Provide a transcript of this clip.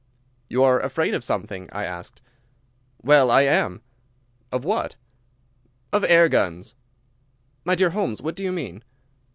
"You are afraid of something?" I asked. "Well, I am." "Of what?" "Of air guns." "My dear Holmes, what do you mean?"